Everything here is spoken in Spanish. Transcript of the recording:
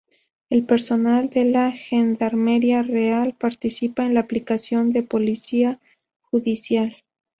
El personal de la Gendarmería Real participa en la aplicación de Policía Judicial.